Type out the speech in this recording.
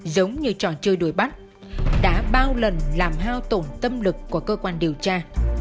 giống như trò chơi đuổi bắt đã bao lần làm hao tổn tâm lực của cơ quan điều tra